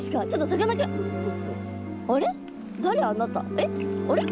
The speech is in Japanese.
えっあれ？